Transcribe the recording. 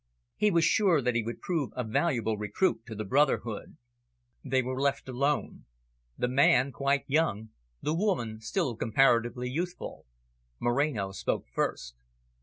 He was sure that he would prove a valuable recruit to the brotherhood. They were left alone the man quite young, the woman still comparatively youthful. Moreno spoke first.